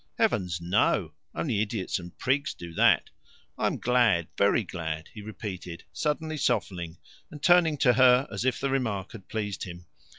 "Heavens, no! Only idiots and prigs do that." "I am glad, very glad," he repeated, suddenly softening and turning to her, as if the remark had pleased him.